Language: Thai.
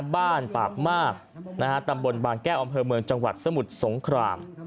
บ้านปากมากนะฮะตำบลบางแก้ออมเฮอร์เมืองจังหวัดสมุทรสงคราม